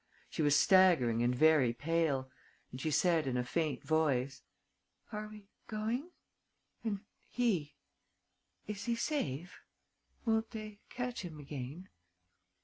She was staggering and very pale; and she said, in a faint voice: "Are we going? And he: is he safe? Won't they catch him again?"